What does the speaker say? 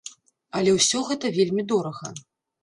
Але ўсё гэта вельмі дорага!